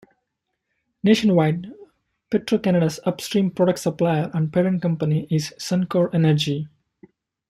Nationwide, Petro-Canada's upstream product supplier and parent company is Suncor Energy.